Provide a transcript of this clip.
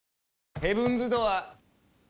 ヘブンズ・ドアー。